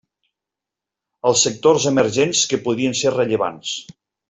Els sectors emergents que podrien ser rellevants.